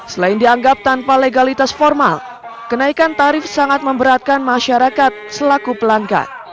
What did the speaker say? selain dianggap tanpa legalitas formal kenaikan tarif sangat memberatkan masyarakat selaku pelanggan